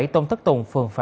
tôn thất tùng phường phạm